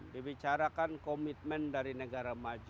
dibicarakan komitmen dari negara maju